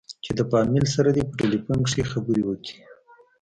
چې د فاميل سره دې په ټېلفون کښې خبرې وکې.